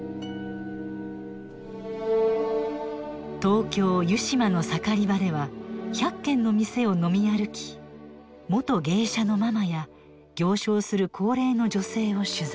東京・湯島の盛り場では１００軒の店を飲み歩き元芸者のママや行商する高齢の女性を取材。